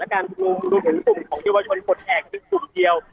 และการดูถึงกลุ่มของเยาวชนผลแอกคือกลุ่มเดียว